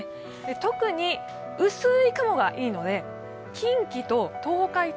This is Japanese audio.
特に薄い雲がいいので、近畿と東海と